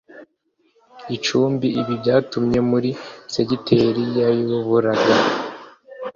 gicumbi ibi byatumye muri segiteri yayoboraga